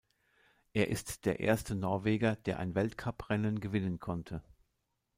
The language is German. Er ist der erste Norweger, der ein Weltcuprennen gewinnen konnte.